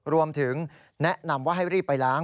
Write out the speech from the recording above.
รวมถึงแนะนำว่าให้รีบไปล้าง